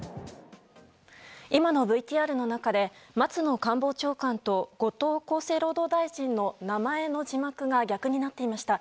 今のＶＴＲの中で松野官房長官と後藤厚生労働大臣の名前の字幕が逆になっていました。